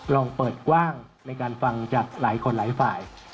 ลองเปิดกว้างในการฟังจากหลายคนหลายฝ่าย